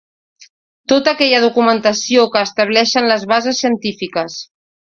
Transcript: Tota aquella documentació que estableixen les bases específiques.